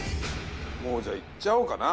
もうじゃいっちゃおうかな。